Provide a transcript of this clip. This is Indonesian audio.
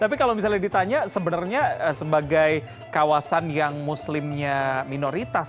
tapi kalau misalnya ditanya sebenarnya sebagai kawasan yang muslimnya minoritas